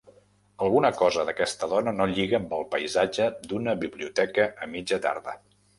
Alguna cosa d'aquesta dona no lliga amb el paisatge d'una biblioteca a mitja tarda.